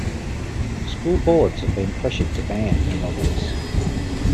School boards have been pressured to ban her novels.